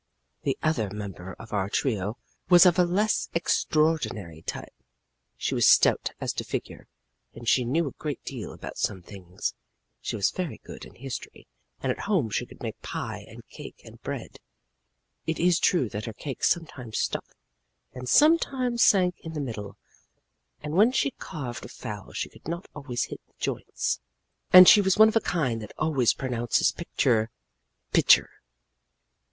The other member of our trio was of a less extraordinary type. She was stout as to figure, and she knew a great deal about some things. She was very good in history, and at home she could make pie and cake and bread. It is true that her cake sometimes stuck, and sometimes sank in the middle, and when she carved a fowl she could not always hit the joints. And she was one of the kind that always pronounces picture, "pitcher."